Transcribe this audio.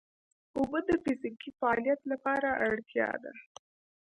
اوبه د فزیکي فعالیت لپاره اړتیا ده